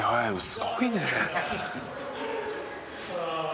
すごいね！」